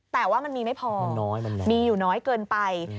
แต่ว่ามันมีไม่พอมีอยู่น้อยเกินไป